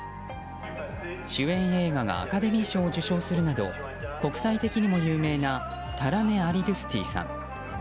主演映画がアカデミー賞を受賞するなど国際的にも有名なタラネ・アリドゥスティさん。